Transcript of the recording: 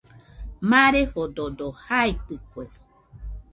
Marefododo jaitɨkue